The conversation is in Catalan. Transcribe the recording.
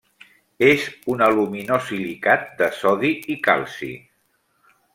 És un aluminosilicat de sodi i calci.